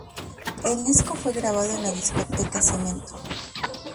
El disco fue grabado en la discoteca Cemento.